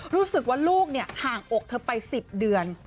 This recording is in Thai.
รู้สึกว่าลูกห่างอกเธอไป๑๐เดือน